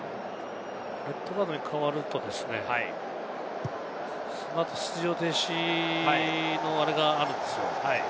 レッドカードに変わるとこのあと出場停止のあれがあるんですよ。